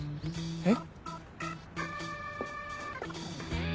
えっ？